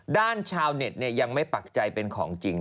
ด้านชาวเน็ตเนี่ยยังไม่ปักใจเป็นของจริง